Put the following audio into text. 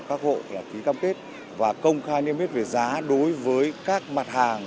các hộ là ký cam kết và công khai niêm yết về giá đối với các mặt hàng